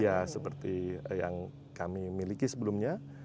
ya seperti yang kami miliki sebelumnya